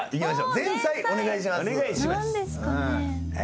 前菜お願いします。